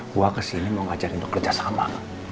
gue kesini mau ngajarin untuk kerjasama